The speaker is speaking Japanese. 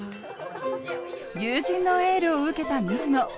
友人のエールを受けた水野。